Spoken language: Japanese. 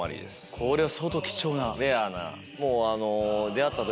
これは相当貴重な。